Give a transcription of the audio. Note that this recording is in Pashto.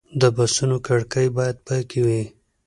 د بسونو کړکۍ باید پاکې وي.